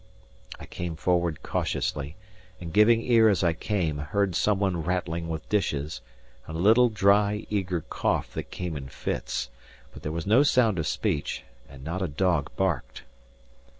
I came forward cautiously, and giving ear as I came, heard some one rattling with dishes, and a little dry, eager cough that came in fits; but there was no sound of speech, and not a dog barked.